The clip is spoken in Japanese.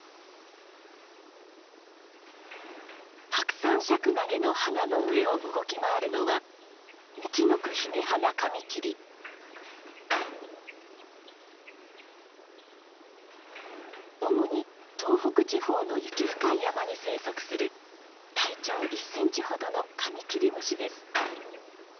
ハクサンシャクナゲの花の上を動き回るのは主に東北地方の雪深い山に生息する体長１センチほどのカミキリムシです。